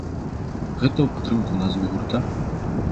Гэта ў падтрымку назвы гурта?